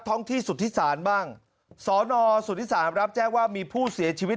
ท้องที่สุธิศาลบ้างสนสุธิสารรับแจ้งว่ามีผู้เสียชีวิต